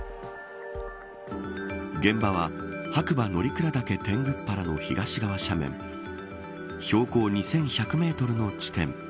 現場は白馬乗鞍岳天狗原の東側斜面標高２１００メートルの地点。